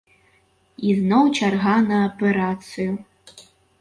І зноў чарга на аперацыю.